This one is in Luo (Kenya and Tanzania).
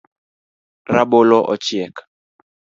Rabolo ochiek